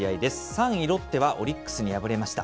３位ロッテはオリックスに敗れました。